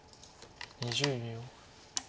２０秒。